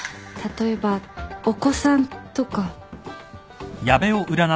例えばお子さんとか。